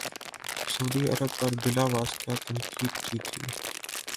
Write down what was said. سعودی عرب پر بلا واسطہ تنقید کی تھی